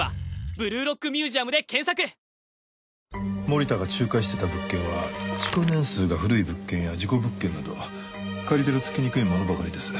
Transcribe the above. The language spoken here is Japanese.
森田が仲介していた物件は築年数が古い物件や事故物件など借り手のつきにくいものばかりです。